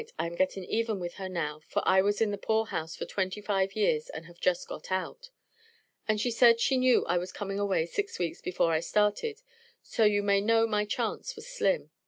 I am getting even with her now for I was in the poor house for twenty five years and have just got out. And she said she knew I was coming away six weeks before I started, so you may know my chance was slim.